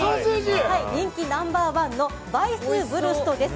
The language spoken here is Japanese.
人気ナンバー１のヴァイスブルストです。